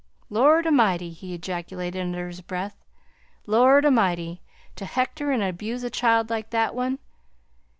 "Lord A'mighty!" he ejaculated under his breath, "Lord A'mighty! to hector and abuse a child like that one!